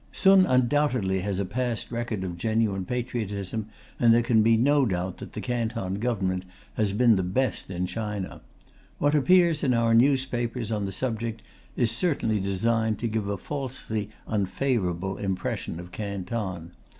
Sun undoubtedly has a past record of genuine patriotism, and there can be no doubt that the Canton Government has been the best in China. What appears in our newspapers on the subject is certainly designed to give a falsely unfavourable impression of Canton.